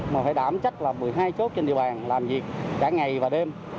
mà phải đảm trách là một mươi hai chốt trên địa bàn làm việc cả ngày và đêm